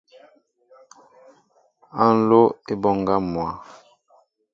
Ha nló a e mɓoŋga mwa.